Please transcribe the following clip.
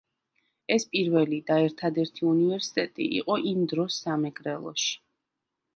ეს პირველი და ერთადერთი უნივერსიტეტი იყო იმ დროს სამეგრელოში.